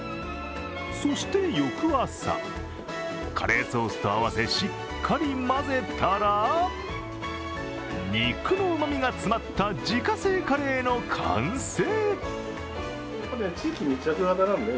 そして翌朝、カレーソースと合わせしっかり混ぜたら肉のうまみが詰まった自家製カレーの完成。